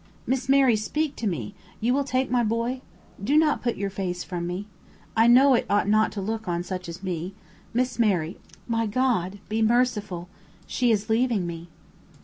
Miss Mary, speak to me! You will take my boy? Do not put your face from me. I know it ought not to look on such as me. Miss Mary! my God, be merciful! she is leaving me!"